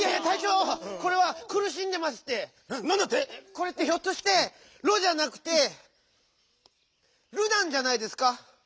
これってひょっとして「ろ」じゃなくて「る」なんじゃないですか？